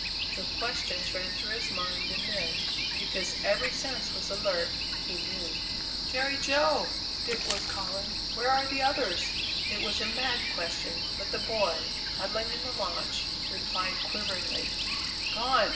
The questions ran through his mind and then, because every sense was alert, he knew! "Jerry Jo!" Dick was calling, "where are the others?" It was a mad question, but the boy, huddling in the launch, replied quiveringly: "Gone!